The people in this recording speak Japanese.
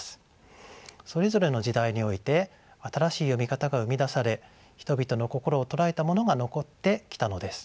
それぞれの時代において新しい読み方が生み出され人々の心を捉えたものが残ってきたのです。